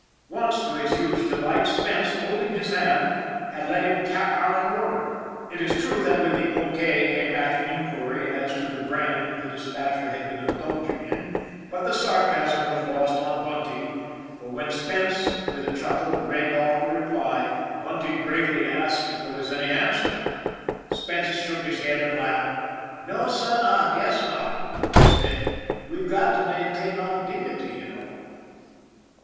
Once, to his huge delight, Spence, holding his hand, had let him tap out an order. It is true that with the O. K. came back an inquiry as to the brand the dis patcher had been indulging in; but the sarcasm was lost on Bunty, for when Spence with a chuckle read off the reply, Bunty gravely asked if there was any 28 ON THE IRON AT BIG CLOUD answer. Spence shook his head and laughed. " No, son; I guess not," he said. "We've got to maintain our dignity, you know."